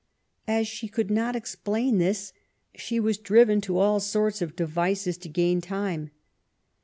As she could not explain this, she was driven to all sorts of devices to gain time.